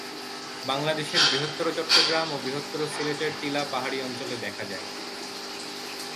বাংলাদেশের বৃহত্তর চট্টগ্রাম ও বৃহত্তর সিলেটের টিলা পাহাড়ি অঞ্চলে দেখা যায়।